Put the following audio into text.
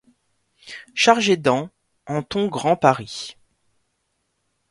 Chargé d'ans, en ton grand Paris ;